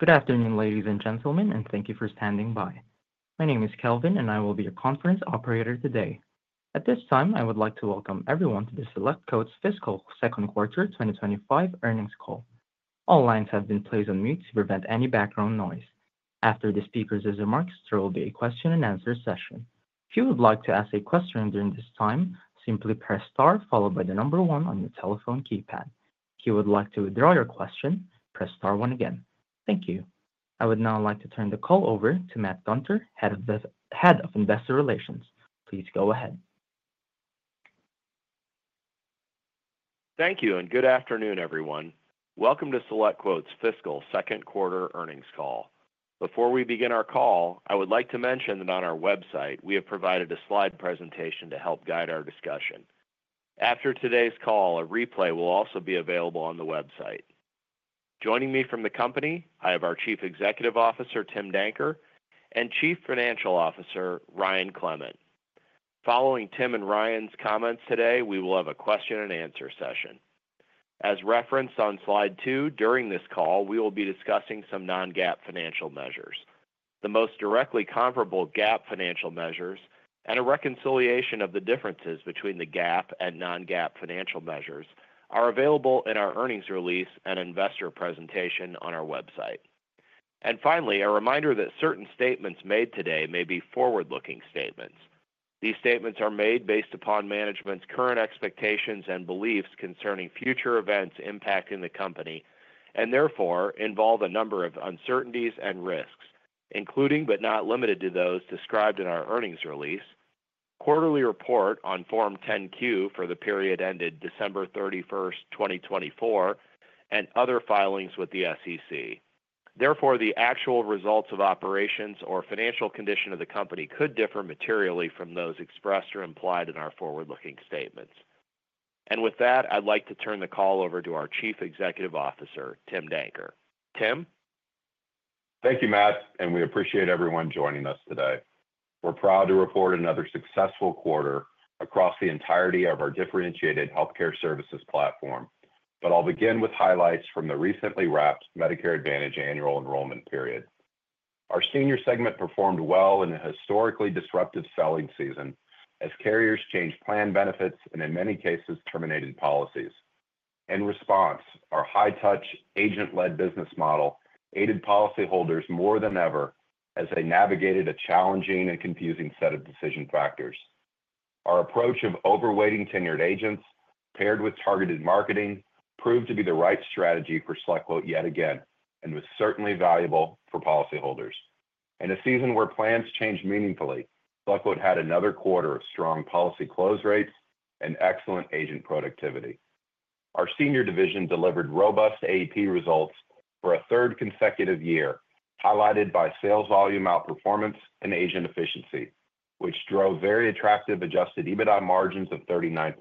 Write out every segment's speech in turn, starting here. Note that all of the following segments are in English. Good afternoon, ladies and gentlemen, and thank you for standing by. My name is Kelvin, and I will be your conference operator today. At this time, I would like to welcome everyone to the SelectQuote's Fiscal Second Quarter 2025 Earnings Call. All lines have been placed on mute to prevent any background noise. After the speaker's remarks, there will be a question-and-answer session. If you would like to ask a question during this time, simply press star followed by the number one on your telephone keypad. If you would like to withdraw your question, press star one again. Thank you. I would now like to turn the call over to Matt Gunter, Head of Investor Relations. Please go ahead. Thank you, and good afternoon, everyone. Welcome to SelectQuote's Fiscal Second Quarter Earnings Call. Before we begin our call, I would like to mention that on our website, we have provided a slide presentation to help guide our discussion. After today's call, a replay will also be available on the website. Joining me from the company, I have our Chief Executive Officer, Tim Danker, and Chief Financial Officer, Ryan Clement. Following Tim and Ryan's comments today, we will have a question-and-answer session. As referenced on slide two, during this call, we will be discussing some non-GAAP financial measures. The most directly comparable GAAP financial measures and a reconciliation of the differences between the GAAP and non-GAAP financial measures are available in our earnings release and investor presentation on our website. And finally, a reminder that certain statements made today may be forward-looking statements. These statements are made based upon management's current expectations and beliefs concerning future events impacting the company and therefore involve a number of uncertainties and risks, including but not limited to those described in our earnings release, quarterly report on Form 10-Q for the period ended December 31st, 2024, and other filings with the SEC. Therefore, the actual results of operations or financial condition of the company could differ materially from those expressed or implied in our forward-looking statements. And with that, I'd like to turn the call over to our Chief Executive Officer, Tim Danker. Tim? Thank you, Matt, and we appreciate everyone joining us today. We're proud to report another successful quarter across the entirety of our differentiated healthcare services platform, but I'll begin with highlights from the recently wrapped Medicare Advantage annual enrollment period. Our senior segment performed well in a historically disruptive selling season as carriers changed plan benefits and, in many cases, terminated policies. In response, our high-touch, agent-led business model aided policyholders more than ever as they navigated a challenging and confusing set of decision factors. Our approach of overweighting tenured agents, paired with targeted marketing, proved to be the right strategy for SelectQuote yet again and was certainly valuable for policyholders. In a season where plans changed meaningfully, SelectQuote had another quarter of strong policy close rates and excellent agent productivity. Our senior division delivered robust AEP results for a third consecutive year, highlighted by sales volume outperformance and agent efficiency, which drove very attractive adjusted EBITDA margins of 39%,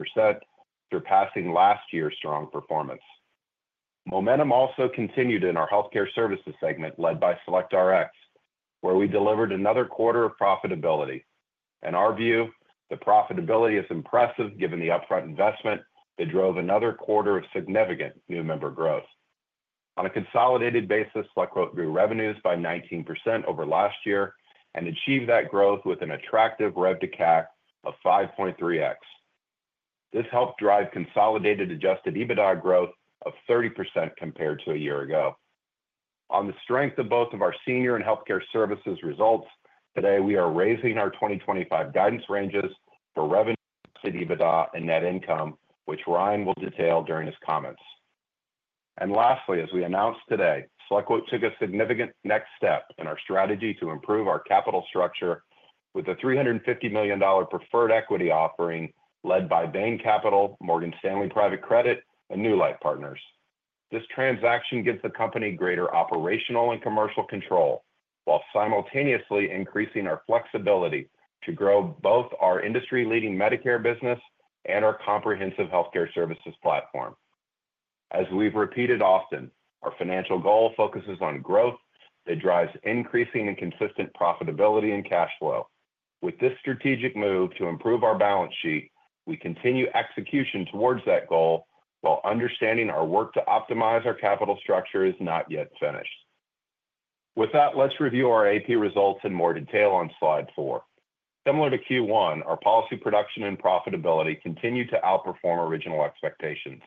surpassing last year's strong performance. Momentum also continued in our healthcare services segment led by SelectRx, where we delivered another quarter of profitability. In our view, the profitability is impressive given the upfront investment that drove another quarter of significant new member growth. On a consolidated basis, SelectQuote grew revenues by 19% over last year and achieved that growth with an attractive Rev-to-CAC of 5.3x. This helped drive consolidated adjusted EBITDA growth of 30% compared to a year ago. On the strength of both of our senior and healthcare services results, today we are raising our 2025 guidance ranges for EBITDA, and net income, which Ryan will detail during his comments. Lastly, as we announced today, SelectQuote took a significant next step in our strategy to improve our capital structure with a $350 million preferred equity offering led by Bain Capital, Morgan Stanley Private Credit, and Newlight Partners. This transaction gives the company greater operational and commercial control while simultaneously increasing our flexibility to grow both our industry-leading Medicare business and our comprehensive healthcare services platform. As we've repeated often, our financial goal focuses on growth that drives increasing and consistent profitability and cash flow. With this strategic move to improve our balance sheet, we continue execution towards that goal while understanding our work to optimize our capital structure is not yet finished. With that, let's review our AEP results in more detail on slide four. Similar to Q1, our policy production and profitability continue to outperform original expectations.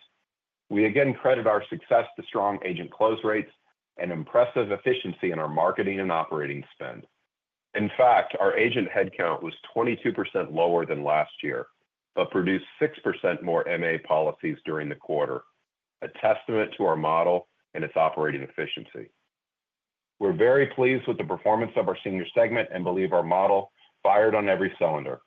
We again credit our success to strong agent close rates and impressive efficiency in our marketing and operating spend. In fact, our agent headcount was 22% lower than last year but produced 6% more MA policies during the quarter, a testament to our model and its operating efficiency. We're very pleased with the performance of our senior segment and believe our model fired on every cylinder.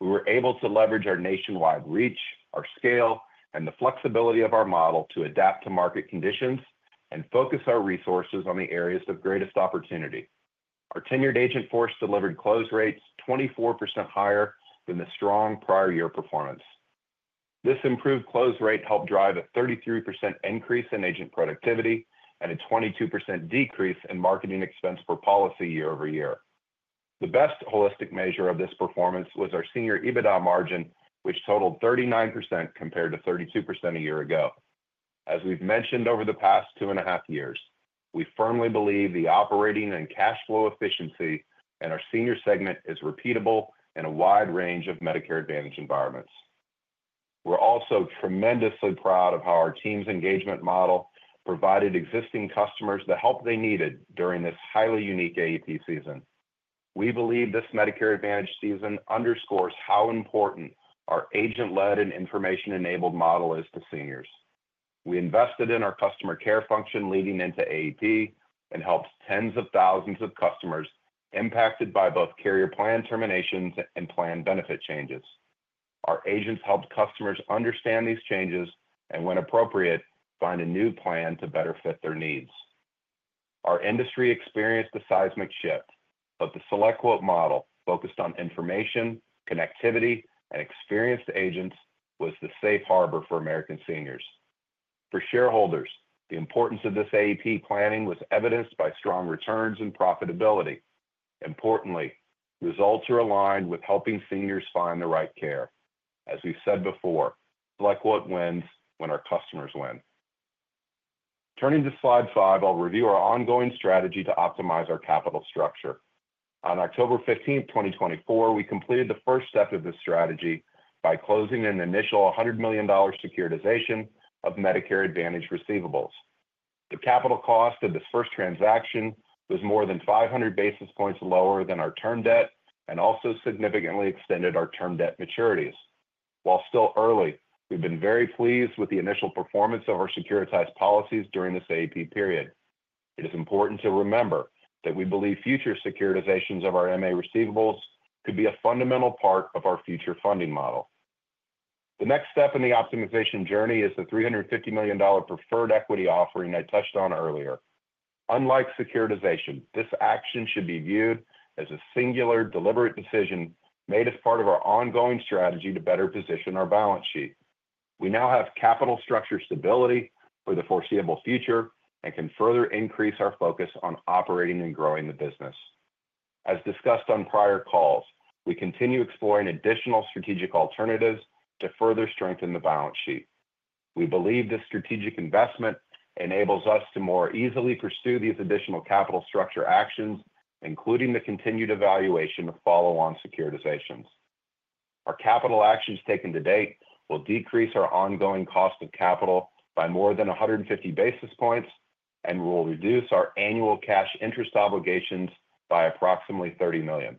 We were able to leverage our nationwide reach, our scale, and the flexibility of our model to adapt to market conditions and focus our resources on the areas of greatest opportunity. Our tenured agent force delivered close rates 24% higher than the strong prior year performance. This improved close rate helped drive a 33% increase in agent productivity and a 22% decrease in marketing expense for policy year-over-year. The best holistic measure of this performance was our senior EBITDA margin, which totaled 39% compared to 32% a year ago. As we've mentioned over the past two and a half years, we firmly believe the operating and cash flow efficiency in our senior segment is repeatable in a wide range of Medicare Advantage environments. We're also tremendously proud of how our team's engagement model provided existing customers the help they needed during this highly unique AEP season. We believe this Medicare Advantage season underscores how important our agent-led and information-enabled model is to seniors. We invested in our customer care function leading into AEP and helped tens of thousands of customers impacted by both carrier plan terminations and plan benefit changes. Our agents helped customers understand these changes and, when appropriate, find a new plan to better fit their needs. Our industry experienced a seismic shift, but the SelectQuote model focused on information, connectivity, and experienced agents was the safe harbor for American seniors. For shareholders, the importance of this AEP planning was evidenced by strong returns and profitability. Importantly, results are aligned with helping seniors find the right care. As we've said before, SelectQuote wins when our customers win. Turning to slide five, I'll review our ongoing strategy to optimize our capital structure. On October 15th, 2024, we completed the first step of this strategy by closing an initial $100 million securitization of Medicare Advantage receivables. The capital cost of this first transaction was more than 500 basis points lower than our term debt and also significantly extended our term debt maturities. While still early, we've been very pleased with the initial performance of our securitized policies during this AEP period. It is important to remember that we believe future securitizations of our MA receivables could be a fundamental part of our future funding model. The next step in the optimization journey is the $350 million preferred equity offering I touched on earlier. Unlike securitization, this action should be viewed as a singular, deliberate decision made as part of our ongoing strategy to better position our balance sheet. We now have capital structure stability for the foreseeable future and can further increase our focus on operating and growing the business. As discussed on prior calls, we continue exploring additional strategic alternatives to further strengthen the balance sheet. We believe this strategic investment enables us to more easily pursue these additional capital structure actions, including the continued evaluation of follow-on securitizations. Our capital actions taken to date will decrease our ongoing cost of capital by more than 150 basis points and will reduce our annual cash interest obligations by approximately $30 million.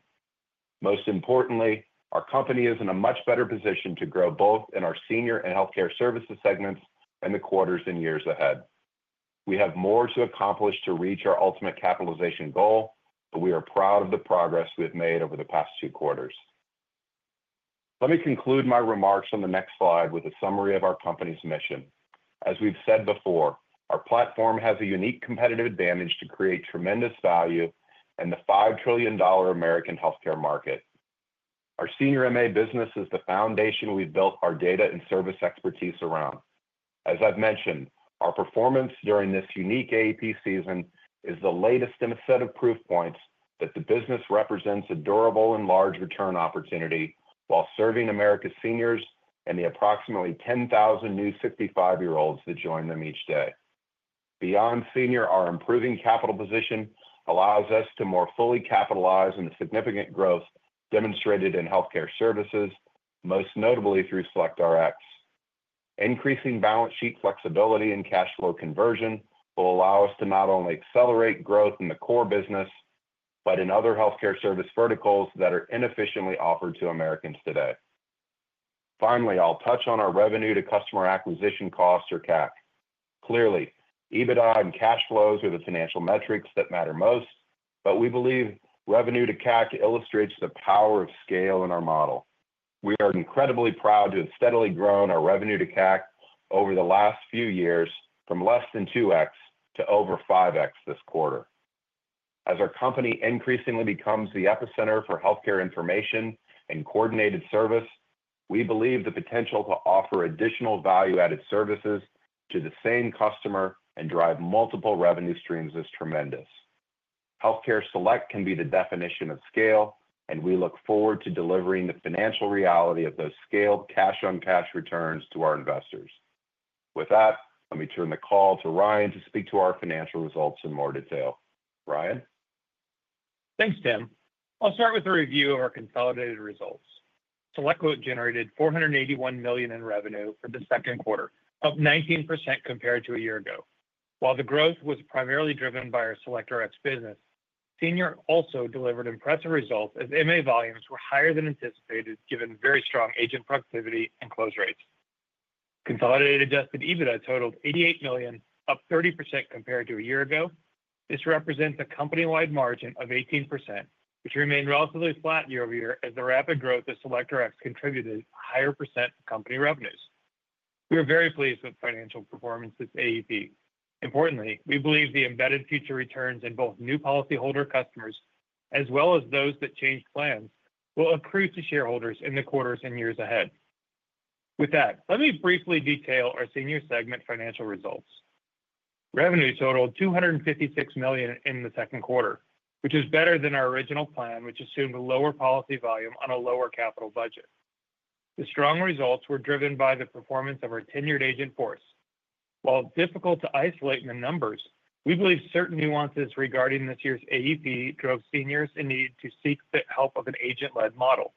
Most importantly, our company is in a much better position to grow both in our senior and healthcare services segments in the quarters and years ahead. We have more to accomplish to reach our ultimate capitalization goal, but we are proud of the progress we have made over the past two quarters. Let me conclude my remarks on the next slide with a summary of our company's mission. As we've said before, our platform has a unique competitive advantage to create tremendous value in the $5 trillion American healthcare market. Our senior MA business is the foundation we've built our data and service expertise around. As I've mentioned, our performance during this unique AEP season is the latest in a set of proof points that the business represents a durable and large return opportunity while serving America's seniors and the approximately 10,000 new 65-year-olds that join them each day. Beyond senior, our improving capital position allows us to more fully capitalize on the significant growth demonstrated in healthcare services, most notably through SelectRx. Increasing balance sheet flexibility and cash flow conversion will allow us to not only accelerate growth in the core business, but in other healthcare service verticals that are inefficiently offered to Americans today. Finally, I'll touch on our revenue-to-customer acquisition costs, or CAC. Clearly, EBITDA and cash flows are the financial metrics that matter most, but we believe revenue-to-CAC illustrates the power of scale in our model. We are incredibly proud to have steadily grown our Revenue-to-CAC over the last few years from less than 2x to over 5x this quarter. As our company increasingly becomes the epicenter for healthcare information and coordinated service, we believe the potential to offer additional value-added services to the same customer and drive multiple revenue streams is tremendous. Healthcare Select can be the definition of scale, and we look forward to delivering the financial reality of those scaled cash-on-cash returns to our investors. With that, let me turn the call to Ryan to speak to our financial results in more detail. Ryan? Thanks, Tim. I'll start with a review of our consolidated results. SelectQuote generated $481 million in revenue for the second quarter, up 19% compared to a year ago. While the growth was primarily driven by our SelectRx business, senior also delivered impressive results as MA volumes were higher than anticipated, given very strong agent productivity and close rates. Consolidated adjusted EBITDA totaled $88 million, up 30% compared to a year ago. This represents a company-wide margin of 18%, which remained relatively flat year-over-year as the rapid growth of SelectRx contributed a higher percent of company revenues. We are very pleased with financial performance this AEP. Importantly, we believe the embedded future returns in both new policyholder customers as well as those that changed plans will accrue to shareholders in the quarters and years ahead. With that, let me briefly detail our senior segment financial results. Revenue totaled $256 million in the second quarter, which was better than our original plan, which assumed a lower policy volume on a lower capital budget. The strong results were driven by the performance of our tenured agent force. While difficult to isolate in the numbers, we believe certain nuances regarding this year's AEP drove seniors in need to seek the help of an agent-led model.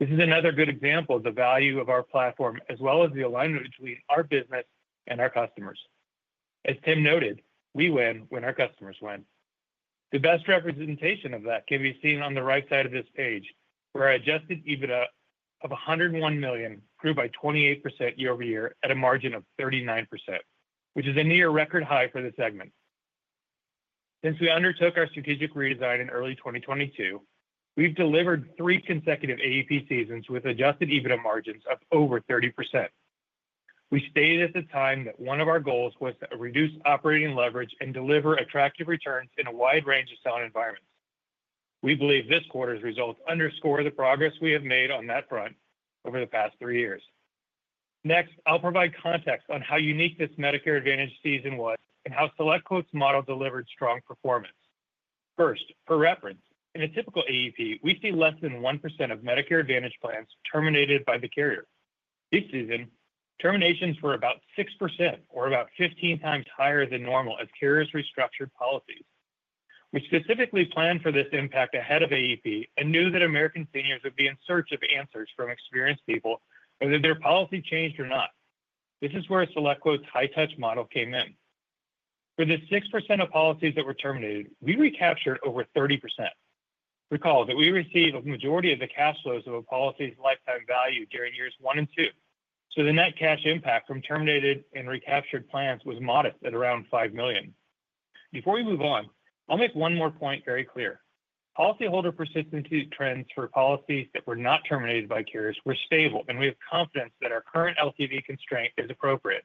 This is another good example of the value of our platform as well as the alignment between our business and our customers. As Tim noted, we win when our customers win. The best representation of that can be seen on the right side of this page, where our adjusted EBITDA of $101 million grew by 28% year-over-year at a margin of 39%, which is a near record high for the segment. Since we undertook our strategic redesign in early 2022, we've delivered three consecutive AEP seasons with adjusted EBITDA margins of over 30%. We stated at the time that one of our goals was to reduce operating leverage and deliver attractive returns in a wide range of sound environments. We believe this quarter's results underscore the progress we have made on that front over the past three years. Next, I'll provide context on how unique this Medicare Advantage season was and how SelectQuote's model delivered strong performance. First, for reference, in a typical AEP, we see less than 1% of Medicare Advantage plans terminated by the carrier. This season, terminations were about 6%, or about 15 times higher than normal as carriers restructured policies. We specifically planned for this impact ahead of AEP and knew that American seniors would be in search of answers from experienced people, whether their policy changed or not. This is where SelectQuote's high-touch model came in. For the 6% of policies that were terminated, we recaptured over 30%. Recall that we received a majority of the cash flows of a policy's lifetime value during years one and two, so the net cash impact from terminated and recaptured plans was modest at around $5 million. Before we move on, I'll make one more point very clear. Policyholder persistency trends for policies that were not terminated by carriers were stable, and we have confidence that our current LTV constraint is appropriate.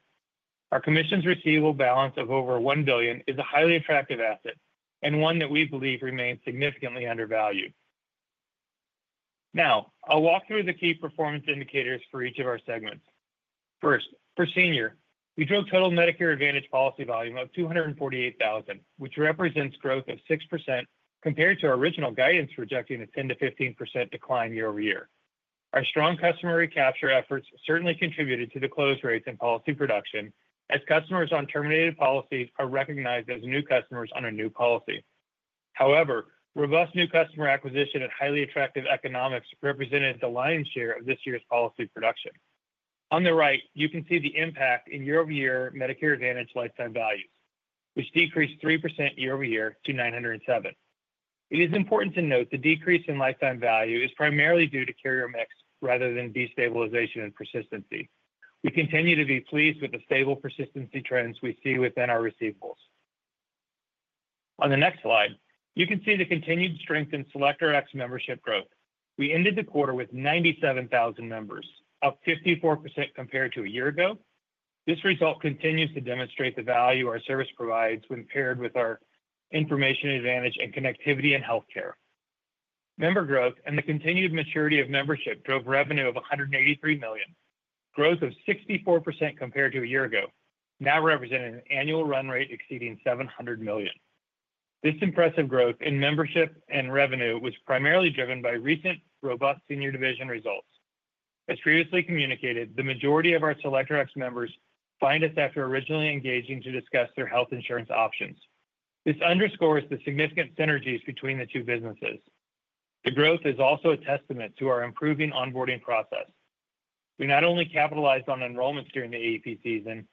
Our commissions receivable balance of over $1 billion is a highly attractive asset and one that we believe remains significantly undervalued. Now, I'll walk through the key performance indicators for each of our segments. First, for senior, we drove total Medicare Advantage policy volume of 248,000, which represents growth of 6% compared to our original guidance projecting a 10%-15% decline year-over-year. Our strong customer recapture efforts certainly contributed to the close rates in policy production, as customers on terminated policies are recognized as new customers on a new policy. However, robust new customer acquisition and highly attractive economics represented the lion's share of this year's policy production. On the right, you can see the impact in year-over-year Medicare Advantage lifetime values, which decreased 3% year-over-year to $907. It is important to note the decrease in lifetime value is primarily due to carrier mix rather than destabilization and persistency. We continue to be pleased with the stable persistency trends we see within our receivables. On the next slide, you can see the continued strength in SelectRx membership growth. We ended the quarter with 97,000 members, up 54% compared to a year ago. This result continues to demonstrate the value our service provides when paired with our information advantage and connectivity in healthcare. Member growth and the continued maturity of membership drove revenue of $183 million, growth of 64% compared to a year ago, now representing an annual run rate exceeding $700 million. This impressive growth in membership and revenue was primarily driven by recent robust senior division results. As previously communicated, the majority of our SelectRx members find us after originally engaging to discuss their health insurance options. This underscores the significant synergies between the two businesses. The growth is also a testament to our improving onboarding process. We not only capitalized on enrollments during the AEP season,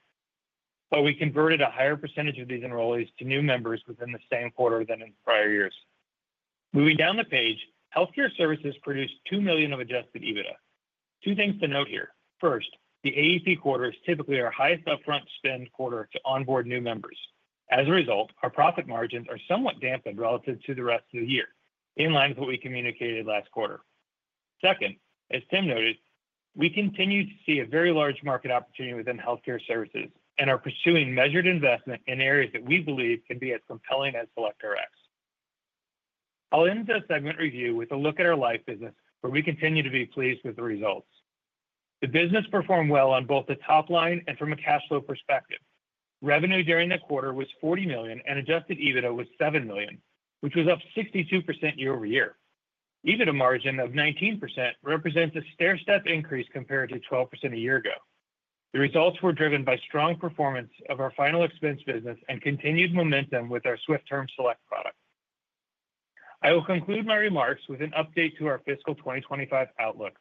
but we converted a higher percentage of these enrollees to new members within the same quarter than in prior years. Moving down the page, healthcare services produced $2 million of adjusted EBITDA. Two things to note here. First, the AEP quarter is typically our highest upfront spend quarter to onboard new members. As a result, our profit margins are somewhat dampened relative to the rest of the year, in line with what we communicated last quarter. Second, as Tim noted, we continue to see a very large market opportunity within healthcare services and are pursuing measured investment in areas that we believe can be as compelling as SelectRx. I'll end the segment review with a look at our life business, where we continue to be pleased with the results. The business performed well on both the top line and from a cash flow perspective. Revenue during the quarter was $40 million, and adjusted EBITDA was $7 million, which was up 62% year-over-year. EBITDA margin of 19% represents a stair-step increase compared to 12% a year ago. The results were driven by strong performance of our final expense business and continued momentum with our SwiftTerm Select product. I will conclude my remarks with an update to our fiscal 2025 outlook.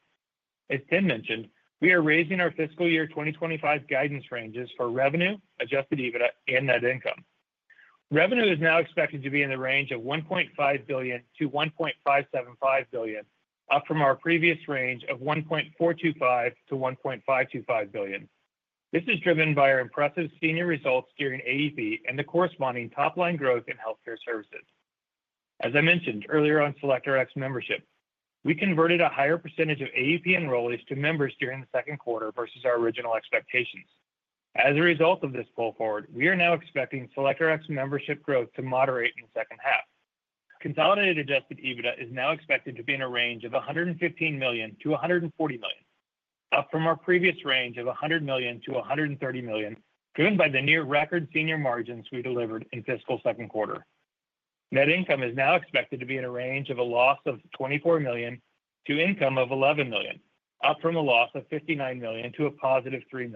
As Tim mentioned, we are raising our fiscal year 2025 guidance ranges for revenue, adjusted EBITDA, and net income. Revenue is now expected to be in the range of $1.5 billion-$1.575 billion, up from our previous range of $1.425 billion-$1.525 billion. This is driven by our impressive senior results during AEP and the corresponding top-line growth in healthcare services. As I mentioned earlier on SelectRx membership, we converted a higher percentage of AEP enrollees to members during the second quarter versus our original expectations. As a result of this pull forward, we are now expecting SelectRx membership growth to moderate in the second half. Consolidated adjusted EBITDA is now expected to be in a range of $115 million-$140 million, up from our previous range of $100 million-$130 million, driven by the near record senior margins we delivered in fiscal second quarter. Net income is now expected to be in a range of a loss of $24 million to income of $11 million, up from a loss of $59 million to a +$3 million.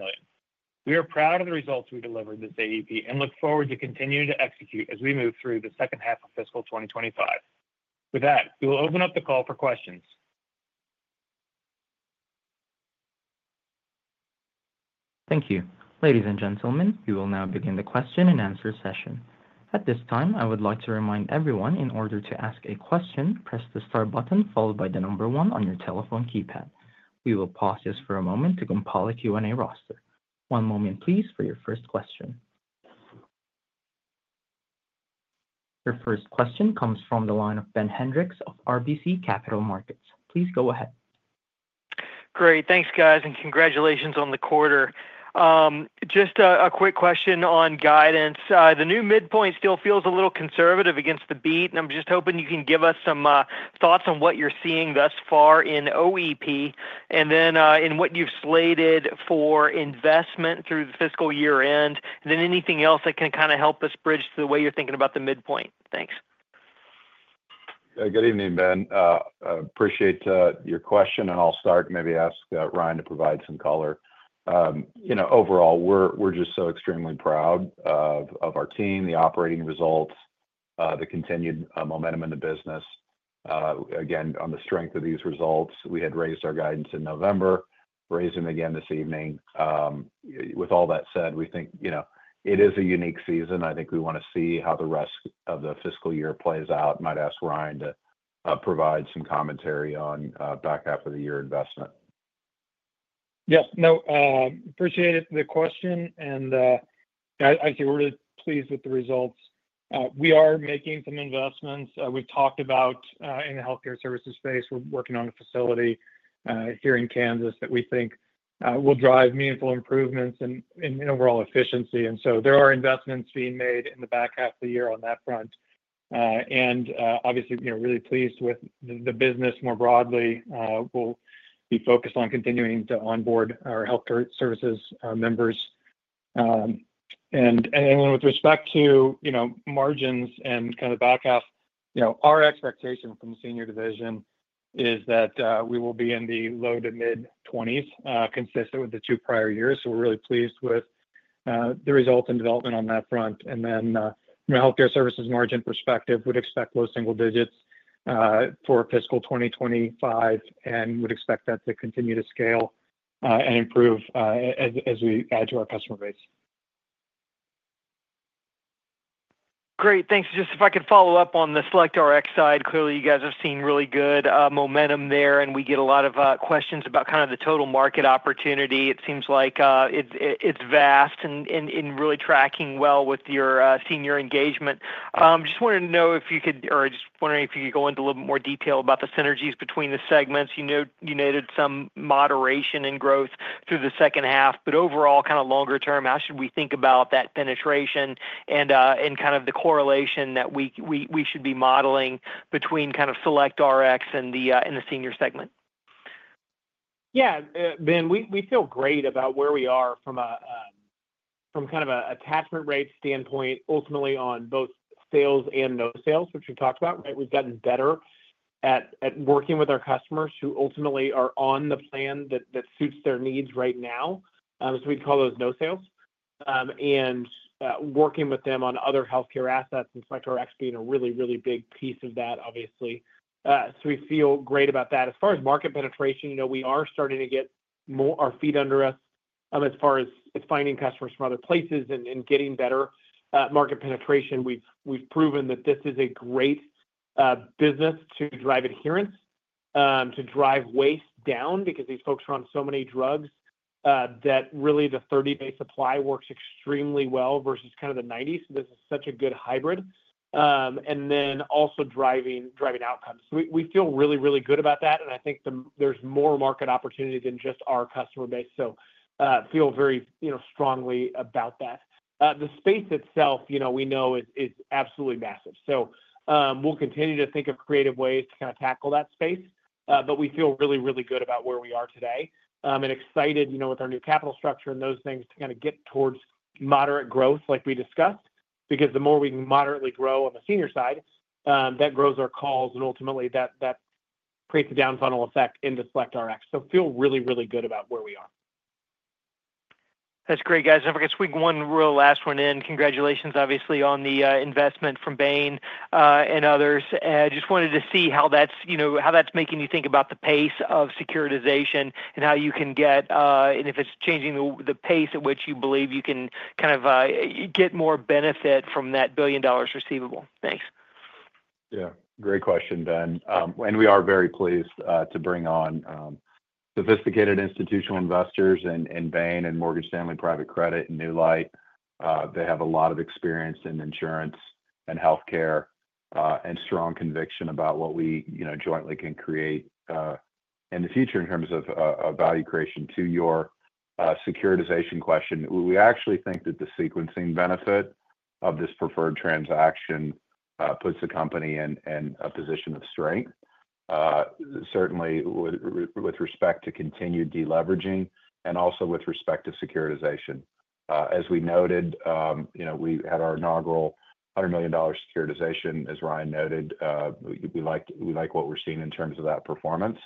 We are proud of the results we delivered this AEP and look forward to continuing to execute as we move through the second half of fiscal 2025. With that, we will open up the call for questions. Thank you. Ladies and gentlemen, we will now begin the question and answer session. At this time, I would like to remind everyone, in order to ask a question, press the start button followed by the number one on your telephone keypad. We will pause this for a moment to compile a Q&A roster. One moment, please, for your first question. Your first question comes from the line of Ben Hendrix of RBC Capital Markets. Please go ahead. Great. Thanks, guys, and congratulations on the quarter. Just a quick question on guidance. The new midpoint still feels a little conservative against the beat, and I'm just hoping you can give us some thoughts on what you're seeing thus far in OEP and then in what you've slated for investment through the fiscal year end, and then anything else that can kind of help us bridge to the way you're thinking about the midpoint. Thanks. Good evening, Ben. Appreciate your question, and I'll start, maybe ask Ryan to provide some color. Overall, we're just so extremely proud of our team, the operating results, the continued momentum in the business. Again, on the strength of these results, we had raised our guidance in November, raising again this evening. With all that said, we think it is a unique season. I think we want to see how the rest of the fiscal year plays out. Might ask Ryan to provide some commentary on back half the year investment. Yep. No, appreciated the question, and I think we're really pleased with the results. We are making some investments. We've talked about in the healthcare services space. We're working on a facility here in Kansas that we think will drive meaningful improvements in overall efficiency. So there are investments being made in the back half of the year on that front. And obviously, really pleased with the business more broadly. We'll be focused on continuing to onboard our healthcare services members. And with respect to margins and kind of the back half, our expectation from the senior division is that we will be in the low to mid-20s, consistent with the two prior years. So we're really pleased with the results and development on that front. From a healthcare services margin perspective, we would expect low single digits for fiscal 2025 and would expect that to continue to scale and improve as we add to our customer base. Great. Thanks. Just if I could follow up on the SelectRx side, clearly you guys have seen really good momentum there, and we get a lot of questions about kind of the total market opportunity. It seems like it's vast and really tracking well with your senior engagement. Just wanted to know if you could, or just wondering if you could go into a little bit more detail about the synergies between the segments. You noted some moderation in growth through the second half, but overall, kind of longer term, how should we think about that penetration and kind of the correlation that we should be modeling between kind of SelectRx and the senior segment? Yeah, Ben, we feel great about where we are from kind of an attachment rate standpoint, ultimately on both sales and no sales, which we've talked about, right? We've gotten better at working with our customers who ultimately are on the plan that suits their needs right now. So we'd call those no sales. And working with them on other healthcare assets, SelectRx being a really, really big piece of that, obviously. So we feel great about that. As far as market penetration, we are starting to get our feet under us as far as finding customers from other places and getting better market penetration. We've proven that this is a great business to drive adherence, to drive waste down, because these folks are on so many drugs that really the 30-day supply works extremely well versus kind of the 90s. So this is such a good hybrid. And then also driving outcomes. So we feel really, really good about that, and I think there's more market opportunity than just our customer base. So I feel very strongly about that. The space itself, we know, is absolutely massive. So we'll continue to think of creative ways to kind of tackle that space, but we feel really, really good about where we are today and excited with our new capital structure and those things to kind of get towards moderate growth, like we discussed, because the more we can moderately grow on the senior side, that grows our calls, and ultimately that creates a downfunnel effect into SelectRx. So I feel really, really good about where we are. That's great, guys. I forgot to squeak one real last one in. Congratulations, obviously, on the investment from Bain and others. I just wanted to see how that's making you think about the pace of securitization and how you can get, and if it's changing the pace at which you believe you can kind of get more benefit from that billion-dollar receivable. Thanks. Yeah. Great question, Ben. And we are very pleased to bring on sophisticated institutional investors in Bain and Morgan Stanley Private Credit and Newlight. They have a lot of experience in insurance and healthcare and strong conviction about what we jointly can create in the future in terms of value creation. To your securitization question, we actually think that the sequencing benefit of this preferred transaction puts the company in a position of strength, certainly with respect to continued deleveraging and also with respect to securitization. As we noted, we had our inaugural $100 million securitization, as Ryan noted. We like what we're seeing in terms of that performance.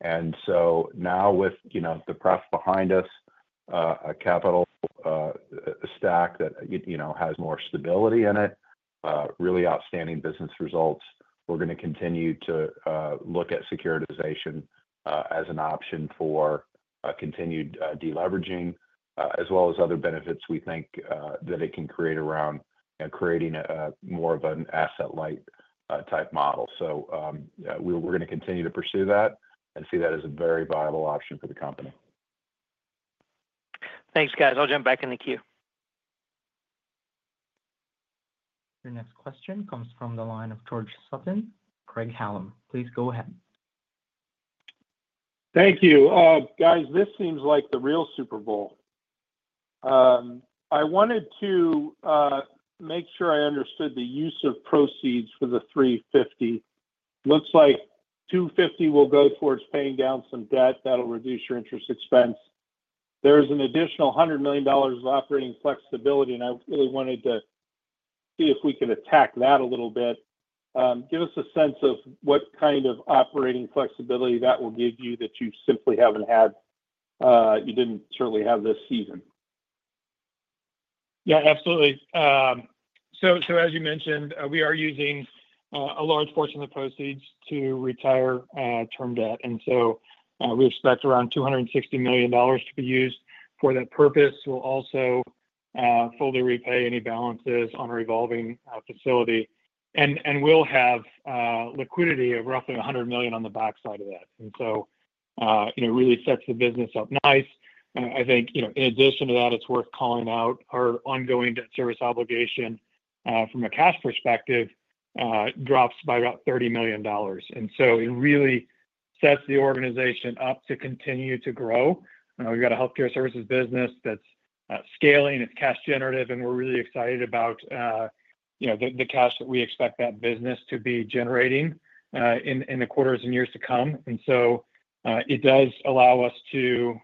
And so now with the prep behind us, a capital stack that has more stability in it, really outstanding business results, we're going to continue to look at securitization as an option for continued deleveraging, as well as other benefits we think that it can create around creating more of an asset-light type model. So we're going to continue to pursue that and see that as a very viable option for the company. Thanks, guys. I'll jump back in the queue. Your next question comes from the line of George Sutton, Craig-Hallum. Please go ahead. Thank you. Guys, this seems like the real Super Bowl. I wanted to make sure I understood the use of proceeds for the 350. Looks like 250 will go towards paying down some debt. That'll reduce your interest expense. There is an additional $100 million of operating flexibility, and I really wanted to see if we could attack that a little bit. Give us a sense of what kind of operating flexibility that will give you that you simply haven't had, you didn't certainly have this season? Yeah, absolutely. So as you mentioned, we are using a large portion of the proceeds to retire term debt. And so we expect around $260 million to be used for that purpose. We'll also fully repay any balances on a revolving facility. And we'll have liquidity of roughly $100 million on the backside of that. And so it really sets the business up nice. I think in addition to that, it's worth calling out our ongoing debt service obligation from a cash perspective drops by about $30 million. And so it really sets the organization up to continue to grow. We've got a healthcare services business that's scaling. It's cash generative, and we're really excited about the cash that we expect that business to be generating in the quarters and years to come. And so it does allow us to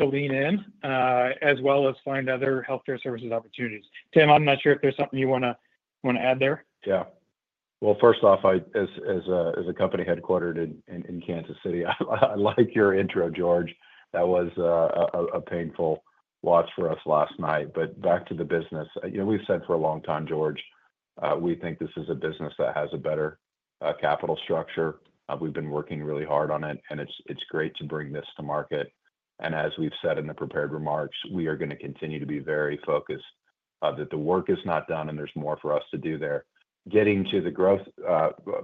lean in as well as find other healthcare services opportunities. Tim, I'm not sure if there's something you want to add there. Yeah. Well, first off, as a company headquartered in Kansas City, I like your intro, George. That was a painful watch for us last night. But back to the business, we've said for a long time, George, we think this is a business that has a better capital structure. We've been working really hard on it, and it's great to bring this to market. And as we've said in the prepared remarks, we are going to continue to be very focused that the work is not done and there's more for us to do there. Getting to the growth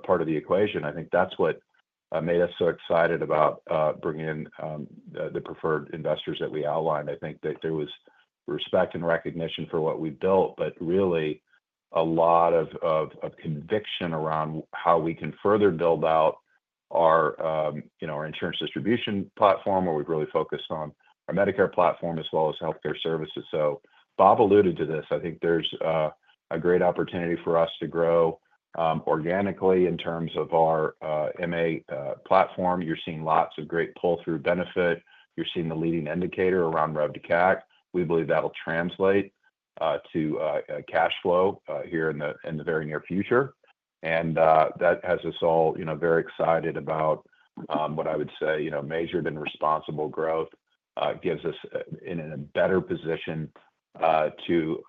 part of the equation, I think that's what made us so excited about bringing in the preferred investors that we outlined. I think that there was respect and recognition for what we built, but really a lot of conviction around how we can further build out our insurance distribution platform, where we've really focused on our Medicare platform as well as healthcare services. So Bob alluded to this. I think there's a great opportunity for us to grow organically in terms of our MA platform. You're seeing lots of great pull-through benefit. You're seeing the leading indicator around Rev-to-CAC. We believe that'll translate to cash flow here in the very near future. And that has us all very excited about what I would say measured and responsible growth gives us in a better position to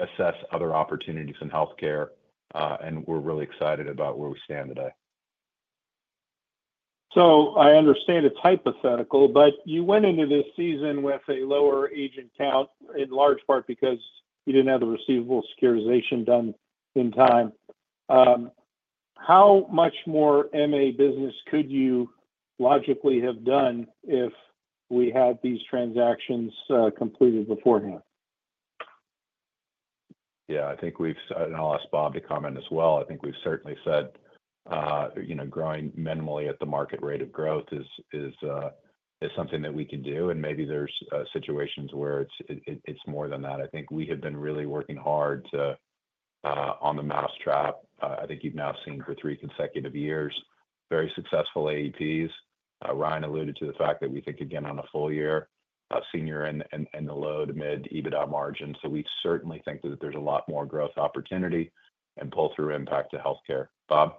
assess other opportunities in healthcare. And we're really excited about where we stand today. So I understand it's hypothetical, but you went into this season with a lower agent count in large part because you didn't have the receivable securitization done in time. How much more MA business could you logically have done if we had these transactions completed beforehand? Yeah, I think we've said, and I'll ask Bob to comment as well. I think we've certainly said growing minimally at the market rate of growth is something that we can do. And maybe there's situations where it's more than that. I think we have been really working hard on the mousetrap. I think you've now seen for three consecutive years, very successful AEPs. Ryan alluded to the fact that we think, again, on a full year, senior and the low, the mid EBITDA margin. So we certainly think that there's a lot more growth opportunity and pull-through impact to healthcare. Bob?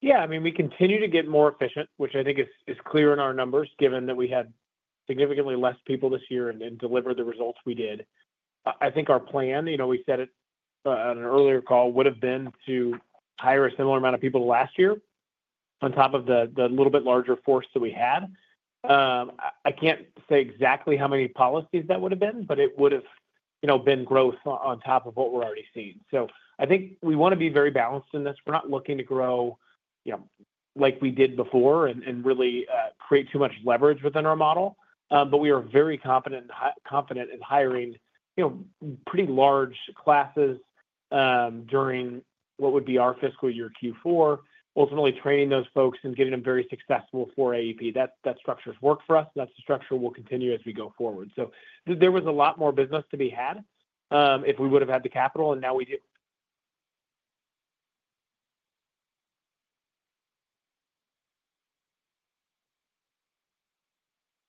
Yeah. I mean, we continue to get more efficient, which I think is clear in our numbers, given that we had significantly less people this year and delivered the results we did. I think our plan, we said it on an earlier call, would have been to hire a similar amount of people last year on top of the little bit larger force that we had. I can't say exactly how many policies that would have been, but it would have been growth on top of what we're already seeing. So I think we want to be very balanced in this. We're not looking to grow like we did before and really create too much leverage within our model. But we are very confident in hiring pretty large classes during what would be our fiscal year Q4, ultimately training those folks and getting them very successful for AEP. That structure has worked for us. That's the structure we'll continue as we go forward. So there was a lot more business to be had if we would have had the capital, and now we do.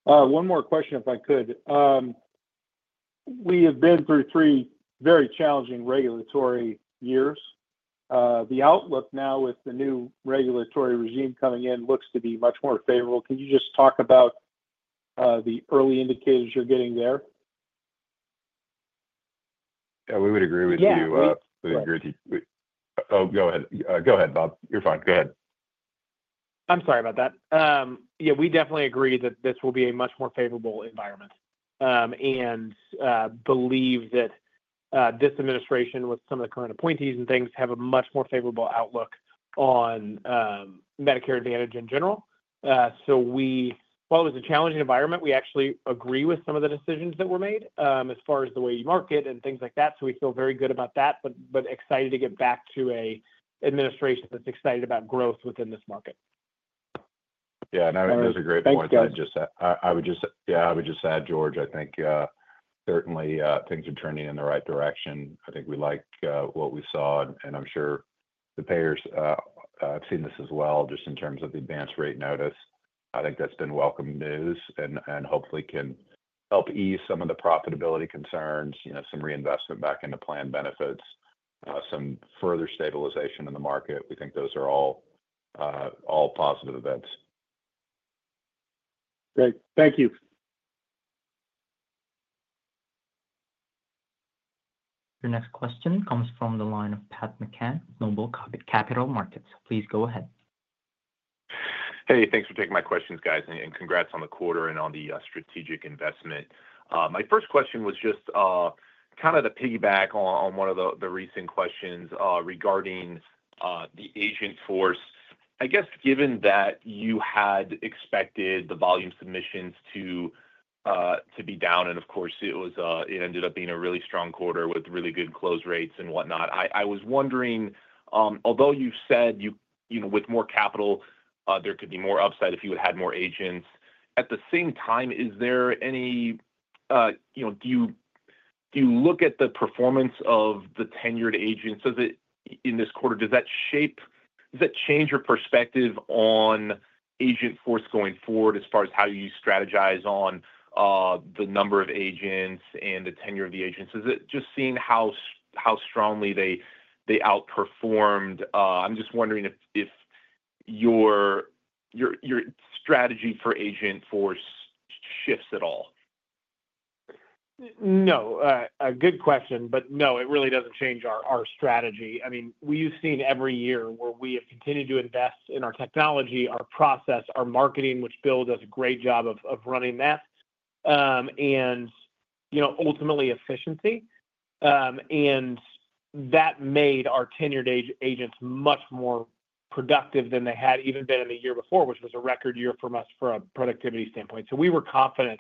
One more question, if I could. We have been through three very challenging regulatory years. The outlook now with the new regulatory regime coming in looks to be much more favorable. Can you just talk about the early indicators you're getting there? Yeah, we would agree with you. Yeah, we would. We agree with you. Oh, go ahead. Go ahead, Bob. You're fine. Go ahead. I'm sorry about that. Yeah, we definitely agree that this will be a much more favorable environment and believe that this administration, with some of the current appointees and things, have a much more favorable outlook on Medicare Advantage in general. So while it was a challenging environment, we actually agree with some of the decisions that were made as far as the way you market and things like that. So we feel very good about that, but excited to get back to an administration that's excited about growth within this market. Yeah. No, I think that's a great point. That's good. I would just add, George, I think certainly things are turning in the right direction. I think we like what we saw, and I'm sure the payers have seen this as well, just in terms of the advance rate notice. I think that's been welcome news and hopefully can help ease some of the profitability concerns, some reinvestment back into plan benefits, some further stabilization in the market. We think those are all positive events. Great. Thank you. Your next question comes from the line of Pat McCann, NOBLE Capital Markets. Please go ahead. Hey, thanks for taking my questions, guys, and congrats on the quarter and on the strategic investment. My first question was just kind of to piggyback on one of the recent questions regarding the agent force. I guess given that you had expected the volume submissions to be down, and of course, it ended up being a really strong quarter with really good close rates and whatnot. I was wondering, although you've said with more capital, there could be more upside if you had had more agents, at the same time, is there any? Do you look at the performance of the tenured agents in this quarter? Does that shape? Does that change your perspective on agent force going forward as far as how you strategize on the number of agents and the tenure of the agents? Is it just seeing how strongly they outperformed? I'm just wondering if your strategy for agent force shifts at all? No. A good question, but no, it really doesn't change our strategy. I mean, we've seen every year where we have continued to invest in our technology, our process, our marketing, which Bill does a great job of running that, and ultimately efficiency, and that made our tenured agents much more productive than they had even been in the year before, which was a record year for us from a productivity standpoint. So we were confident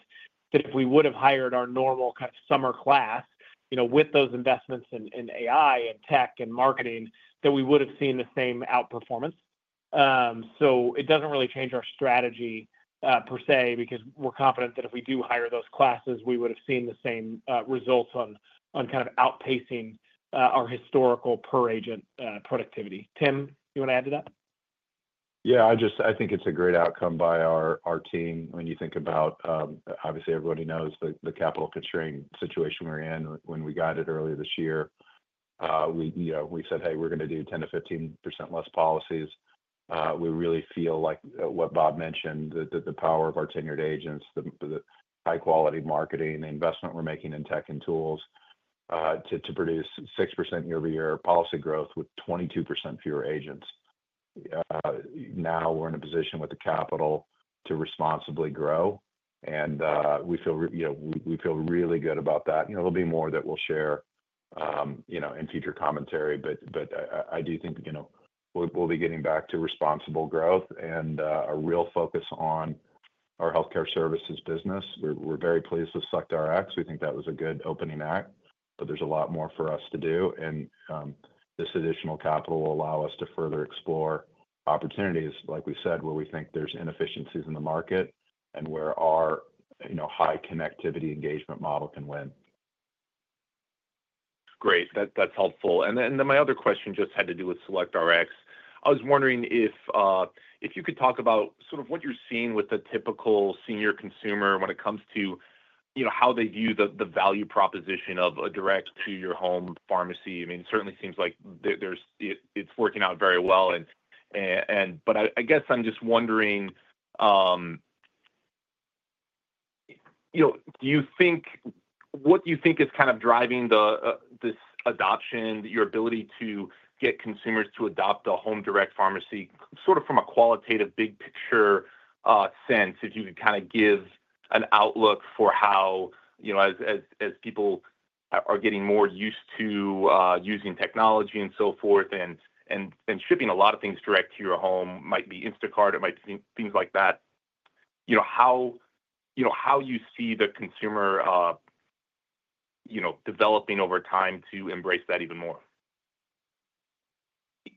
that if we would have hired our normal kind of summer class with those investments in AI and tech and marketing, that we would have seen the same outperformance, so it doesn't really change our strategy per se because we're confident that if we do hire those classes, we would have seen the same results on kind of outpacing our historical per agent productivity. Tim, you want to add to that? Yeah. I think it's a great outcome by our team. When you think about, obviously, everybody knows the capital constraint situation we're in. When we got it earlier this year, we said, "Hey, we're going to do 10%-15% less policies." We really feel like what Bob mentioned, the power of our tenured agents, the high-quality marketing, the investment we're making in tech and tools to produce 6% year-over-year policy growth with 22% fewer agents. Now we're in a position with the capital to responsibly grow, and we feel really good about that. There'll be more that we'll share in future commentary, but I do think we'll be getting back to responsible growth and a real focus on our healthcare services business. We're very pleased with SelectRx. We think that was a good opening act, but there's a lot more for us to do. This additional capital will allow us to further explore opportunities, like we said, where we think there's inefficiencies in the market and where our high connectivity engagement model can win. Great. That's helpful. And then my other question just had to do with SelectRx. I was wondering if you could talk about sort of what you're seeing with the typical senior consumer when it comes to how they view the value proposition of a direct-to-your-home pharmacy. I mean, it certainly seems like it's working out very well. But I guess I'm just wondering, what do you think is kind of driving this adoption, your ability to get consumers to adopt a home-direct pharmacy sort of from a qualitative big-picture sense, if you could kind of give an outlook for how, as people are getting more used to using technology and so forth and shipping a lot of things direct to your home, it might be Instacart, it might be things like that, how you see the consumer developing over time to embrace that even more?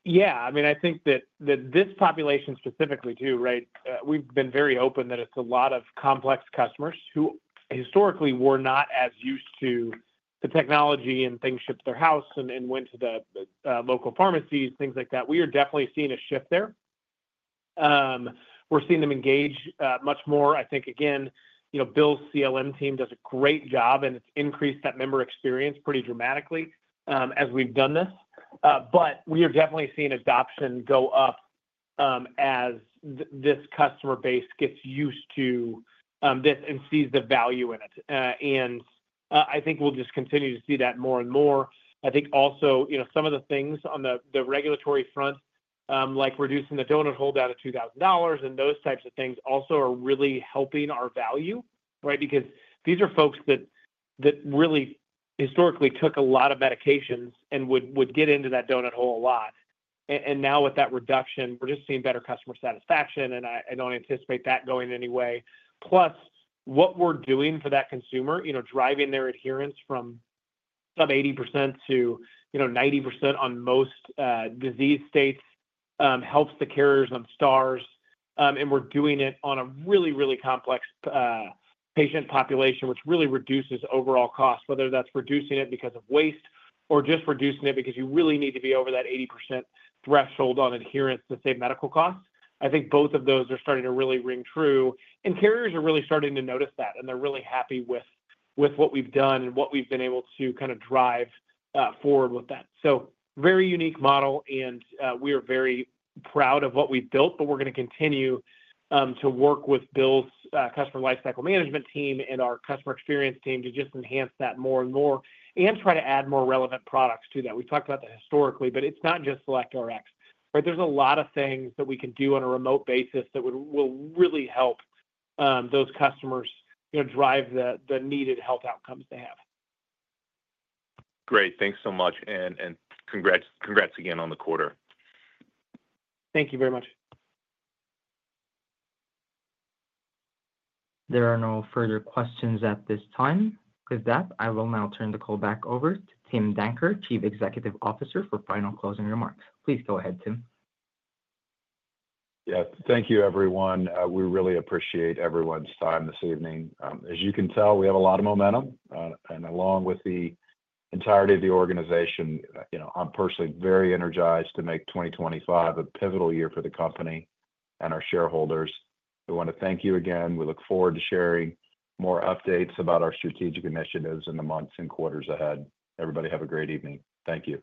Yeah. I mean, I think that this population specifically too, right, we've been very open that it's a lot of complex customers who historically were not as used to the technology and things shipped to their house and went to the local pharmacies, things like that. We are definitely seeing a shift there. We're seeing them engage much more. I think, again, Bill's CLM team does a great job, and it's increased that member experience pretty dramatically as we've done this. But we are definitely seeing adoption go up as this customer base gets used to this and sees the value in it. And I think we'll just continue to see that more and more. I think also some of the things on the regulatory front, like reducing the out-of-pocket of $2,000 and those types of things, also are really helping our value, right, because these are folks that really historically took a lot of medications and would get into that donut hole a lot, and now with that reduction, we're just seeing better customer satisfaction, and I don't anticipate that going any way. Plus, what we're doing for that consumer, driving their adherence from 80%-90% on most disease states, helps the carriers on Stars, and we're doing it on a really, really complex patient population, which really reduces overall costs, whether that's reducing it because of waste or just reducing it because you really need to be over that 80% threshold on adherence to save medical costs. I think both of those are starting to really ring true. Carriers are really starting to notice that, and they're really happy with what we've done and what we've been able to kind of drive forward with that. So very unique model, and we are very proud of what we've built, but we're going to continue to work with Bill's customer lifecycle management team and our customer experience team to just enhance that more and more and try to add more relevant products to that. We've talked about that historically, but it's not just SelectRx, right? There's a lot of things that we can do on a remote basis that will really help those customers drive the needed health outcomes they have. Great. Thanks so much, and congrats again on the quarter. Thank you very much. There are no further questions at this time. With that, I will now turn the call back over to Tim Danker, Chief Executive Officer for final closing remarks. Please go ahead, Tim. Yeah. Thank you, everyone. We really appreciate everyone's time this evening. As you can tell, we have a lot of momentum. And along with the entirety of the organization, I'm personally very energized to make 2025 a pivotal year for the company and our shareholders. We want to thank you again. We look forward to sharing more updates about our strategic initiatives in the months and quarters ahead. Everybody have a great evening. Thank you.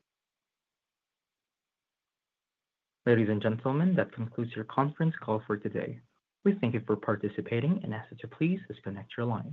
Ladies and gentlemen, that concludes your conference call for today. We thank you for participating, and ask that you please disconnect your line.